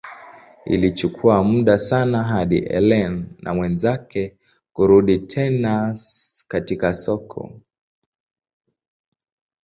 Ilichukua muda sana hadi Ellen na mwenzake kurudi tena katika soko.